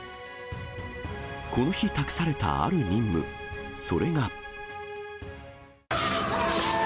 この日、託されたある任務、それが。